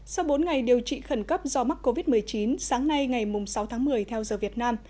sau bốn ngày điều trị khẩn cấp do mắc covid một mươi chín sáng nay ngày sáu tháng một mươi theo giờ việt nam